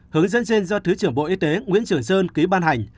hướng dẫn trên do thứ trưởng bộ y tế nguyễn trường sơn ký ban hành